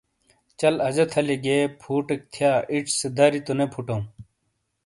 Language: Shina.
چل اجہ تھلی جہ گیئے فوٹیک تھیا ایچ سے دری تو نے پھوٹاؤں۔